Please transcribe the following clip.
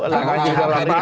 lalu kita lagi cerita